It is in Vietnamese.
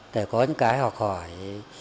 để có những cái học hỏi